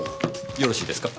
よろしいですか？